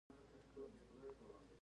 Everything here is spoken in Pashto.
که خورشید گشت از جهان ناپدید